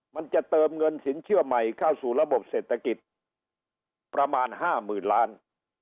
มันจะเติมเงินสินเชื่อใหม่เข้าสู่ระบบเศรษฐกิจประมาณ๕๐๐๐ล้าน